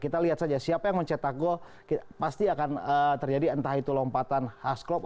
kita lihat saja siapa yang mencetak gol pasti akan terjadi entah itu lompatan khas klop